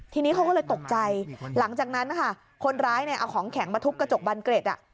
ทีนี้เขาก็เลยตกใจหลังจากนั้นนะคะคนร้ายเนี่ยเอาของแข็งมาทุบกระจกบันเกร็ดอ่ะ